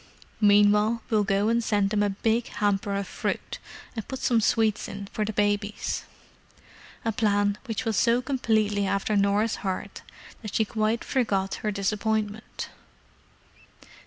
Meanwhile we'll go and send them a big hamper of fruit, and put some sweets in for the babies." A plan which was so completely after Norah's heart that she quite forgot her disappointment.